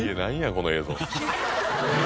この映像。